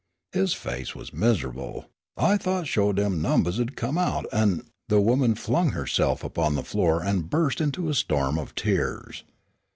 His face was miserable. "I thought sho' dem numbers 'u'd come out, an' " The woman flung herself upon the floor and burst into a storm of tears.